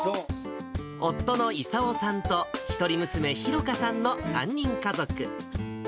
夫の勲さんと一人娘、寛果さんの３人家族。